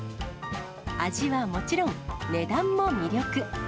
味はもちろん、値段も魅力。